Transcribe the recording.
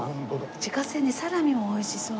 自家製ねえサラミも美味しそう。